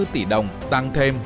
ba mươi bốn tỷ đồng tăng thêm